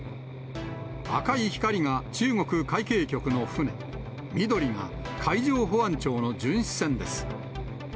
赤い光が中国海警局の船、緑が海上保安庁の巡視船です。